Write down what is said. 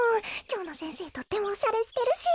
きょうの先生とてもおしゃれしてるし。